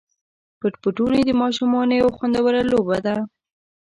پټ پټوني د ماشومانو یوه خوندوره لوبه ده.